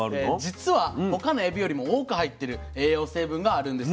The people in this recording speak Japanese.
実は他のエビよりも多く入ってる栄養成分があるんです。